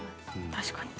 確かに。